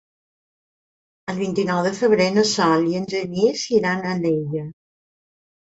El vint-i-nou de febrer na Sol i en Genís iran a Alella.